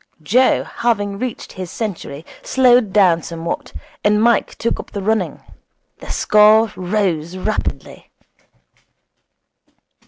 Joe, having reached his century, slowed down somewhat, and Mike took up the running. The score rose rapidly.